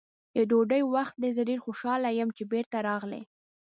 د ډوډۍ وخت دی، زه ډېر خوشحاله یم چې بېرته راغلې.